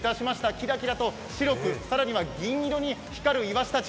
キラキラと白く、さらには銀色に光るイワシたち。